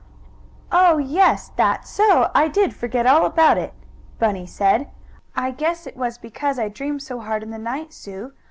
"Oh yes! That's so! I did forget all about it!" Bunny said. "I guess it was because I dreamed so hard in the night, Sue.